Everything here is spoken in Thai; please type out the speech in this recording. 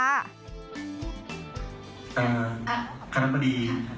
คณะบดี